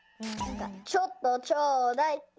「ちょっとちょうだい」って。